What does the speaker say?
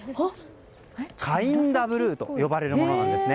カインダ・ブルーと呼ばれるものです。